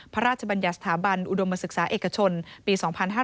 พระราชบัญญัติสถาบันอุดมศึกษาเอกชนปี๒๕๕๙